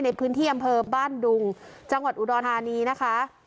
ในพื้นที่อำเภอบ้านดุงจังหวัดอุดรธานีนะคะ